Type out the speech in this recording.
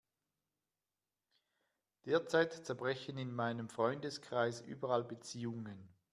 Derzeit zerbrechen in meinem Freundeskreis überall Beziehungen.